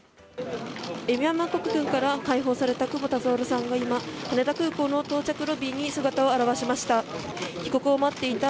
ミャンマー国軍から解放された久保田徹さんが今羽田空港の到着ロビーに姿を現しました。